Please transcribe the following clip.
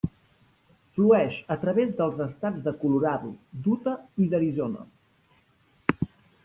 Flueix a través dels estats de Colorado, de Utah i d'Arizona.